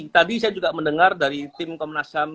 tadi saya juga mendengar dari tim komnasam